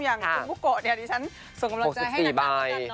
อย่างคุณบุ๊กโกะเนี่ยที่ฉันส่งกำลังจะให้นักการกันเนอะ